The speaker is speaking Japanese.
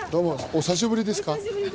お久しぶりです。